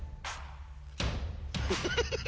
フフフフフ！